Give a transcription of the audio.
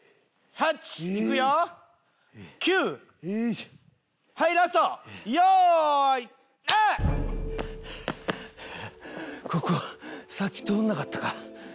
ハアハアここさっき通らなかったか？